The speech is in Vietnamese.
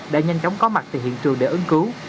đã nhanh chóng có mặt tại hiện trường để ứng cứu